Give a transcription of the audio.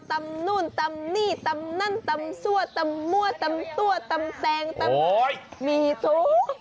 ตำนู่นตำนี่ตำนั่นตำซั่วตำมั่วตำตัวตำแตงตำมีทุก